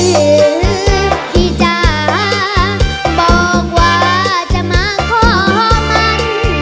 แม่หรือที่จะบอกว่าจะมาขอมัน